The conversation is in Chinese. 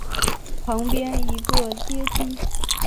旁边一个阶梯